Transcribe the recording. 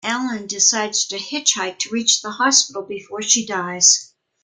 Alan decides to hitchhike to reach the hospital before she dies.